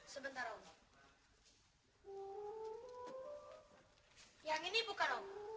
sebentar apa yang ini bukan